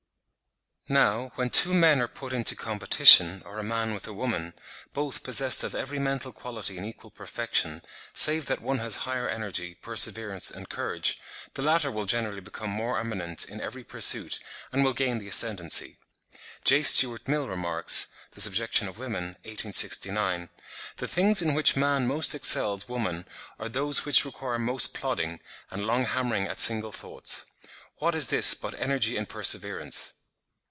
Now, when two men are put into competition, or a man with a woman, both possessed of every mental quality in equal perfection, save that one has higher energy, perseverance, and courage, the latter will generally become more eminent in every pursuit, and will gain the ascendancy. (24. J. Stuart Mill remarks ('The Subjection of Women,' 1869, p. 122), "The things in which man most excels woman are those which require most plodding, and long hammering at single thoughts." What is this but energy and perseverance?)